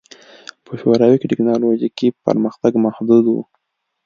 په شوروي کې ټکنالوژیکي پرمختګ محدود و